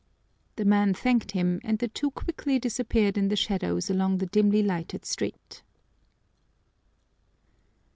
The man thanked him, and the two quickly disappeared in the shadows along the dimly lighted street.